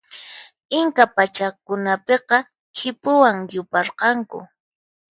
Inca pachakunapiqa khipuwan yuparqanku.